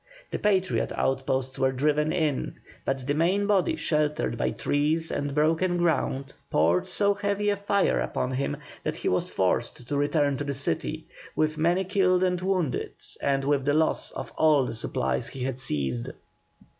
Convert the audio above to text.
The Patriot outposts were driven in, but the main body sheltered by trees and broken ground, poured so heavy a fire upon him that he was forced to return to the city, with many killed and wounded, and with the loss of all the supplies he had seized.